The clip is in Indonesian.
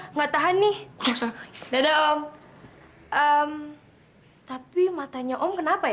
enggak tahan nih enggak ada om tapi matanya om kenapa ya